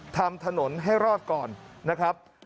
ทำถนนให้รอดก่อนนะครับ